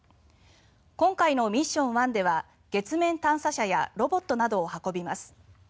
今回のミッション１では月面探査車やロボットなどを運びます。